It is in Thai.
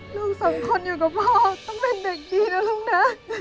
ลูกสองคนอยู่กับพ่อต้องเป็นเด็กดีนะลูกนะ